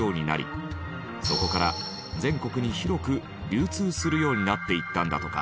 そこから全国に広く流通するようになっていったんだとか。